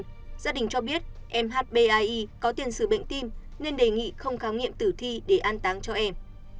gia đình cho biết mhbai có tiền xử bệnh tim nên đề nghị không kháng nghiệm tử thi để an táng cho em